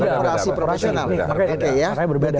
utang korporasi profesional